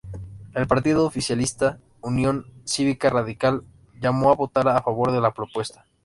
El partido oficialista, Unión Cívica Radical, llamó a votar a favor de la propuesta.